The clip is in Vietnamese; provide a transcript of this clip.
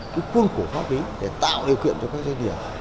cái quân cổ phát huy để tạo điều kiện cho các dân địa